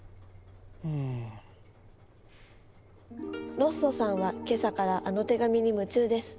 ロッソさんは今朝からあの手紙に夢中です。